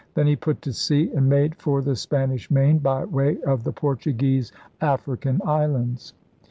Then he put to sea and made for the Spanish Main by way of the Portuguese African islands.